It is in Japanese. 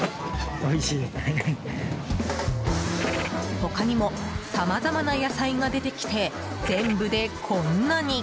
他にもさまざまな野菜が出てきて、全部でこんなに。